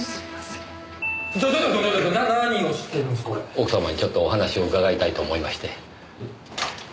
奥様にちょっとお話を伺いたいと思いまして。